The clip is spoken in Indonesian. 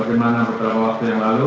bagaimana beberapa waktu yang lalu